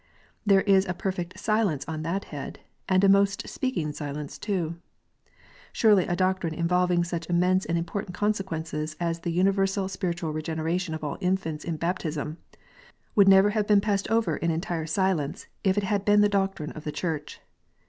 There is a perfect silence on that head, and a most speaking silence too. Surely a doctrine involving such immense and important consequences as the universal spiritual regeneration of all infants in baptism, would never have been passed over in entire silence, if it had been the doctrine of the Church.